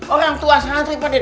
orang tua sangat padat